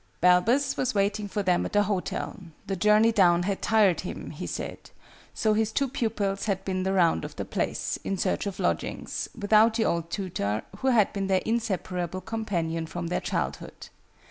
"] Balbus was waiting for them at the hotel: the journey down had tired him, he said: so his two pupils had been the round of the place, in search of lodgings, without the old tutor who had been their inseparable companion from their childhood.